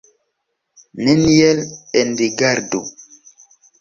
Neniel enrigardu!